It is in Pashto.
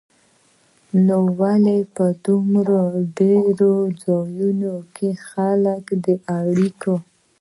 نو ولې په دومره ډېرو ځایونو کې خلک د اړیکو